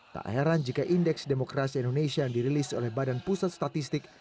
tak heran jika indeks demokrasi indonesia yang dirilis oleh badan pusat statistik